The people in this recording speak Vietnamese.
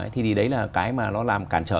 thì đấy là cái mà nó làm cản trở